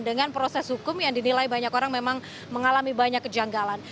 dengan proses hukum yang dinilai banyak orang memang mengalami banyak kejanggalan